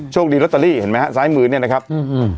คดีลอตเตอรี่เห็นไหมฮะซ้ายมือเนี้ยนะครับอืม